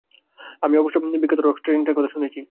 আর আমি অবশ্যই বিখ্যাত রিক স্ট্যান্টনের কথা শুনেছি।